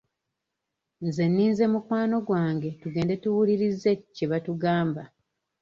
Nze nninze mukwano gwange tugende tuwulirize kye batugamba.